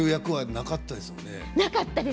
なかったですね。